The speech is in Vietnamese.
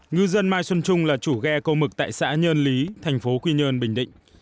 ngư dân mai xuân trung là chủ ghe câu mực tại xã nhơn lý thành phố quy nhơn bình định